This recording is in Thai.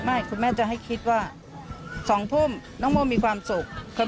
คุณแม่จะให้คิดว่า๒ทุ่มน้องโมมีความสุข